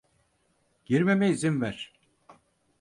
Girmeme izin ver.